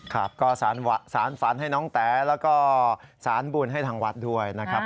ครับก็สารฝันให้น้องแต๋แล้วก็สารบุญให้ทางวัดด้วยนะครับ